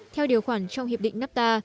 theo điều khoản trong hiệp định napta